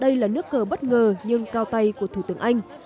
đây là một cuộc thăm dò bất ngờ nhưng cao tay của thủ tướng anh